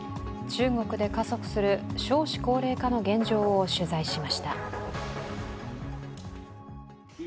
中国で加速する少子高齢化の現状を取材しました。